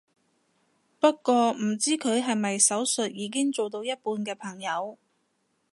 不過唔知佢係咪手術已經做到一半嘅朋友